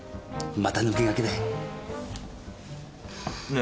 また抜け駆けだよ。ねえ？